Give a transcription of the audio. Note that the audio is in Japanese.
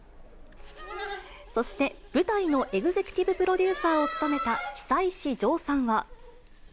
そして、舞台のエグゼクティブプロデューサーを務めた久石譲さんは。